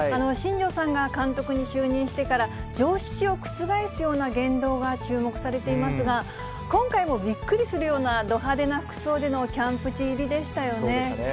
新庄さんが監督に就任してから、常識を覆すような言動が注目されていますが、今回もびっくりするようなど派手な服装でのキャンプ地入りでしたよね。